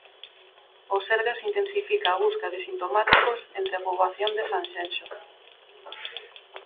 O Sergas intensifica a busca de sintomáticos entre a poboación de Sanxenxo.